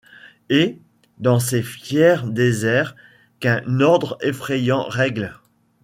Et, dans ces fiers déserts qu'un ordre effrayant règle